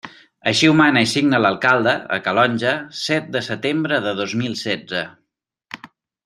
Així ho mana i signa l'alcalde, a Calonge, set de setembre de dos mil setze.